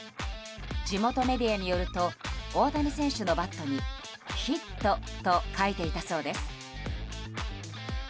地元メディアによると大谷選手のバットに「ヒット」と書いていたそうです。